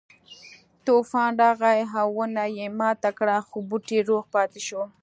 طوفان راغی او ونه یې ماته کړه خو بوټی روغ پاتې شو.